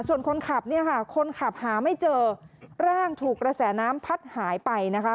ส่วนคนขับเนี่ยค่ะคนขับหาไม่เจอร่างถูกกระแสน้ำพัดหายไปนะคะ